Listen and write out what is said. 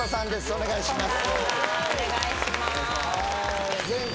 お願いします